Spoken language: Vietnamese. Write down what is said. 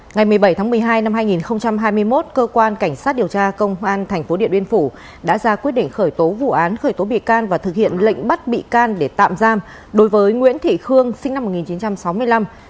ngày một mươi bảy tháng một mươi hai năm hai nghìn hai mươi một cơ quan cảnh sát điều tra công an tp điện biên phủ đã ra quyết định khởi tố vụ án khởi tố bị can và thực hiện lệnh bắt bị can để tạm giam đối với nguyễn thị khương sinh năm một nghìn chín trăm sáu mươi năm